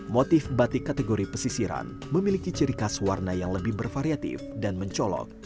motif batik kategori pesisiran memiliki ciri khas warna yang lebih bervariatif dan mencolok